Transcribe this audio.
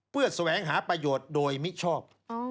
เพื่อแสวงหาประโยชน์โดยมิชอบ